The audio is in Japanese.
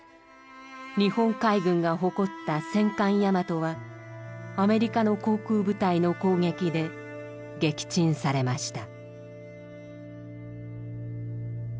日本海軍が誇った戦艦大和はアメリカの航空部隊の攻撃で撃沈されました。